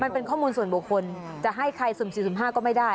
มันเป็นข้อมูลส่วนบุคคลจะให้ใครสุ่ม๔สุ่ม๕ก็ไม่ได้